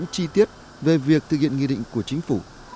nhưng không có chi tiết về việc thực hiện nghị định của chính phủ